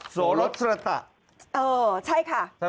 โสลัตตะ